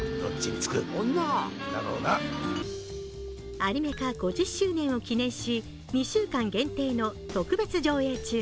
アニメ化５０周年を記念し、２週間限定の特別上映中。